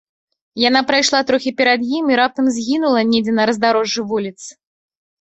Яна прайшла трохі перад ім і раптам згінула недзе на раздарожжы вуліц.